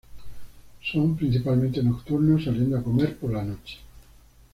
Son principalmente nocturnos, saliendo a comer por la noche.